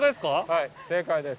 はい正解です。